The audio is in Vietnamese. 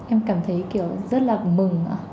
em cảm thấy kiểu rất là mừng